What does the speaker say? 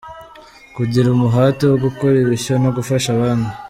Kugira umuhate wo gukora ibishya no gufasha abandi,.